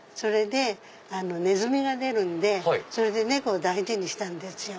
ネズミが出るんでそれで猫を大事にしたんですよ。